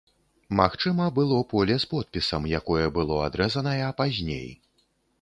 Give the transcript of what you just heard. Магчыма, было поле з подпісам, якое было адрэзаная пазней.